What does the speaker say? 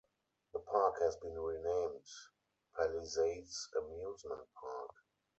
The park has been renamed Palisades Amusement Park.